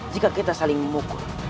jika kita saling memukul